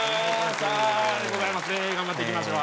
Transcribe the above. ありがとうございます頑張っていきましょう。